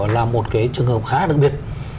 là một cái trường hợp khá đặc biệt